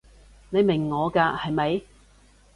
你明我㗎係咪？